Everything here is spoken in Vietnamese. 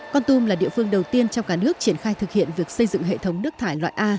con tum là địa phương đầu tiên trong cả nước triển khai thực hiện việc xây dựng hệ thống nước thải loại a